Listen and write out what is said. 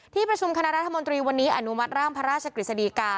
ที่ประชุมคณะรัฐมนตรีวันนี้อนุมัติร่างพระราชกฤษฎีกา